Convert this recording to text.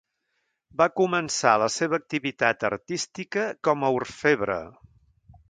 Va començar la seva activitat artística com a orfebre.